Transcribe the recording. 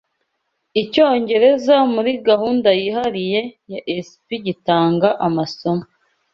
Icyongereza kuri gahunda yihariye (ESP) gitanga amasomo